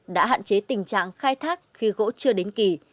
đã hạn chế tình trạng khai thác khi gỗ chưa đến kỳ